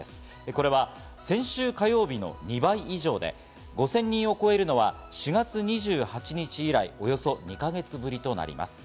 これは先週火曜日の２倍以上で、５０００人を超えるのは４月２８日以来、およそ２か月ぶりとなります。